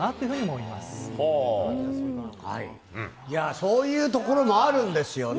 いやぁ、そういうところもあるんですよね。